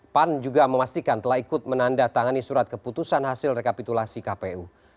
pan juga memastikan telah ikut menandatangani surat keputusan hasil rekapitulasi kpu